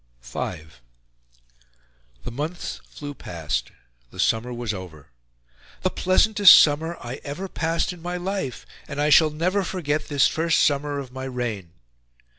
V The months flew past. The summer was over: "the pleasantest summer I EVER passed in MY LIFE, and I shall never forget this first summer of my reign."